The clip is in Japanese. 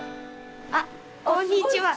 あっこんにちは。